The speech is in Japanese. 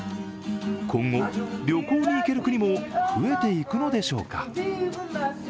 今後、旅行に行ける国も増えていくのでしょうか。